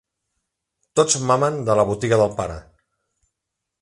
Tots mamen de la botiga del pare.